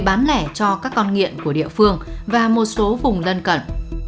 các đối tượng đã đánh trúng vào những con nghiện của địa phương và một số vùng lân cận